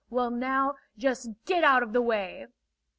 Well now, just get out of the way!"